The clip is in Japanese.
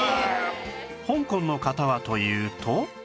香港の方はというと